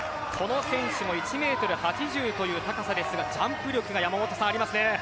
この選手も１ｍ８０という高さですがジャンプ力がありますね。